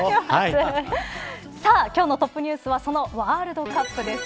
さあ、今日のトップニュースはそのワールドカップです。